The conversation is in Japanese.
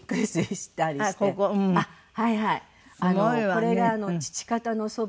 これが父方の祖母で。